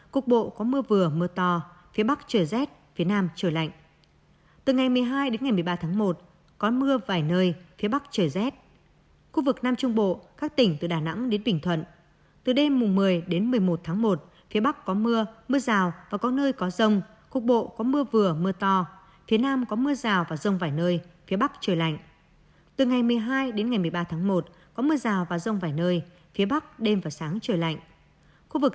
khu vực đông bắc bộ từ ngày một mươi hai một mươi ba một có mưa vài nơi sáng sớm có sương mù và sương mù nhẹ rải rác